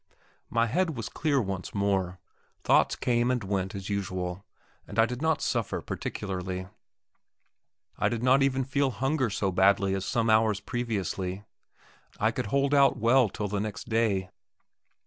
My head was clear once more. Thoughts came and went as usual, and I did not suffer particularly; I did not even feel hunger so badly as some hours previously. I could hold out well till the next day.